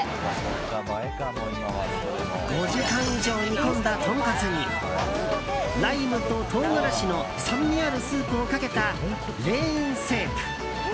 ５時間以上煮込んだ豚骨にライムと唐辛子の酸味あるスープをかけたレーンセープ。